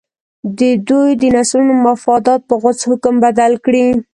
د دوی د نسلونو مفادات په غوڅ حکم بدل کړي.